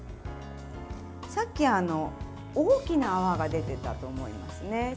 さっき、大きな泡が出てたと思いますね。